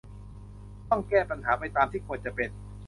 ต้องแก้ปัญหาไปตามที่ควรจะเป็น